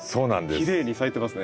きれいに咲いてますね。